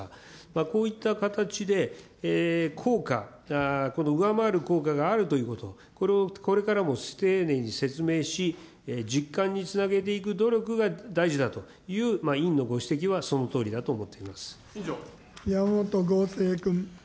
こういった形で効果、上回る効果があるということ、これをこれからも丁寧に説明し、実感につなげていく努力が大事だという委員のご指摘は、そのとお山本剛正君。